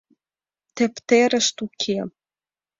Тептерышт уке...